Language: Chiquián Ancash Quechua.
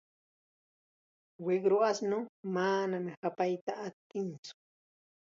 Wiqru ashnuu manam hapayta atintsu.